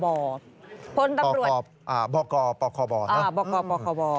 บบพลตำรวจอ่าบกปคบนะอ่าบกปคบ